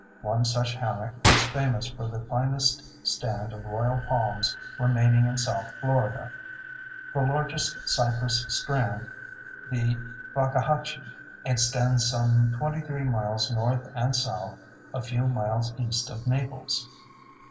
One such hammock is famous for the finest stand of royal palms remaining in south Florida. The largest cypress strand—the Fakahatchee—extends some 23 miles north and south a few miles east of Naples.